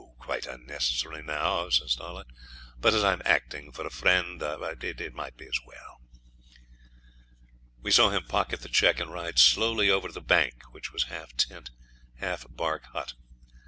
'Quite unnecessary now,' says Starlight; 'but as I'm acting for a friend, it may be as well.' We saw him pocket the cheque, and ride slowly over to the bank, which was half tent, half bark hut.